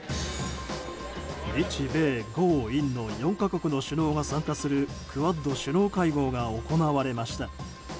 日米豪印の４か国の首脳が参加するクアッド首脳会合が行われました。